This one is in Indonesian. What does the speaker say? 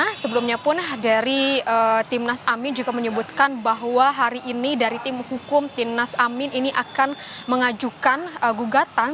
karena sebelumnya pun dari timnas amin juga menyebutkan bahwa hari ini dari tim hukum timnas amin ini akan mengajukan gugatan